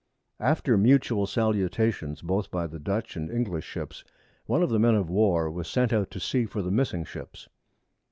After mutual Salutations both by the Dutch and English Ships, one of the Men of War was sent out to see for the missing Ships.